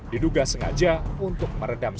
diduga sengaja untuk meredamkan